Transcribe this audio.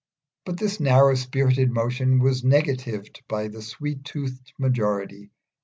But this narrow spirited motion was negatived by the sweet toothed majority.